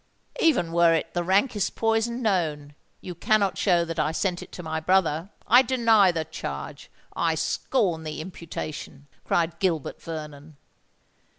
"Even were it the rankest poison known, you cannot show that I sent it to my brother. I deny the charge—I scorn the imputation!" cried Gilbert Vernon.